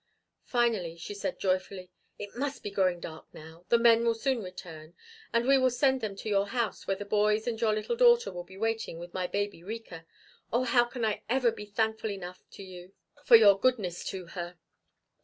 Finally she said joyfully: "It must be growing dark now. The men will soon return, and we will send them to your house where the boys and your little daughter will be waiting with my baby Rika. Oh, how can I ever be thankful enough to you for your goodness to her?"